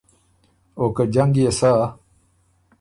او که جنګ يې سۀ